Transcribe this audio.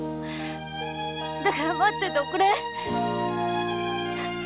だから待ってておくれ！